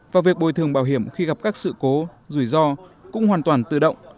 và việc bồi thường bảo hiểm khi gặp các sự cố rủi ro cũng hoàn toàn tự động